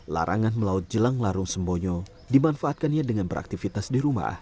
larangan melaut jelang larung sembonyo dimanfaatkannya dengan beraktivitas di rumah